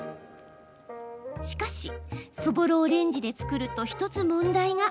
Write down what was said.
しかし、そぼろをレンジで作ると１つ問題が。